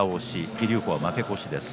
木竜皇は負け越しです。